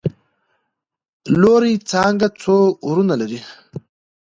لورې څانګه څو وروڼه لري؟؟